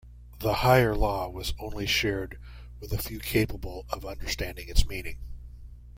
The higher law was only shared with a few capable of understanding its meaning.